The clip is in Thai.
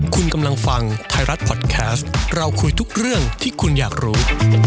คุณกำลังฟังไทยรัฐพอดแคสต์เราคุยทุกเรื่องที่คุณอยากรู้